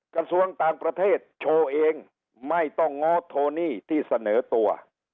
กระทรวงต่างประเทศโชว์เองไม่ต้องง้อโทนี่ที่เสนอตัว